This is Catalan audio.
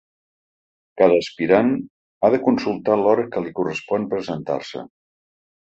Cada aspirant ha de consultar l’hora que li correspon presentar-se.